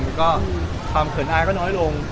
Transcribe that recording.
สมอยความเขินอายก็น้อยลง